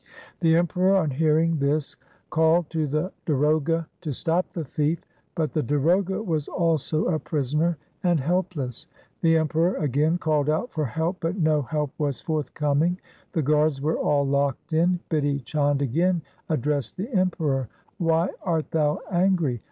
The Emperor on hearing this called to the darogha to stop the thief, but the darogha was also a prisoner and helpless. The Emperor again called out for help, but no help was forthcoming. The guards were all locked in. Bidhi Chand again addressed the Emperor, ' Why art thou angry